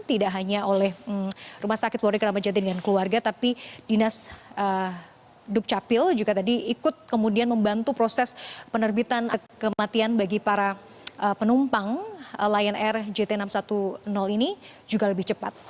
tidak hanya oleh rumah sakit polri kramajati dengan keluarga tapi dinas dukcapil juga tadi ikut kemudian membantu proses penerbitan kematian bagi para penumpang lion air jt enam ratus sepuluh ini juga lebih cepat